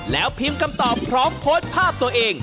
แล้วพิมพ์คำตอบพร้อมโพสต์ภาพตัวเอง